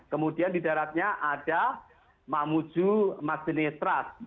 kemudian di daratnya ada mamuju madene trust